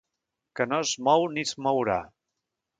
Que no es mou ni es mourà.